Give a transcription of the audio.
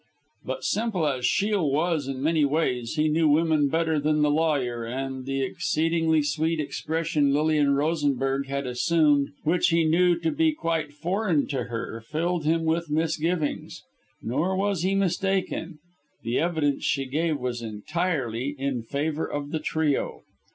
But simple as Shiel was in many ways, he knew women better than the lawyer, and the exceedingly sweet expression Lilian Rosenberg had assumed, and which he knew to be quite foreign to her, filled him with misgivings. Nor was he mistaken. The evidence she gave was entirely in favour of the trio.